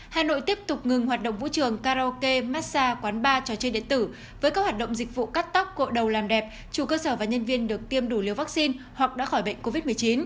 hà nội tiếp tục ngừng hoạt động vũ trường karaoke massage quán bar trò chơi điện tử với các hoạt động dịch vụ cắt tóc cội đầu làm đẹp chủ cơ sở và nhân viên được tiêm đủ liều vaccine hoặc đã khỏi bệnh covid một mươi chín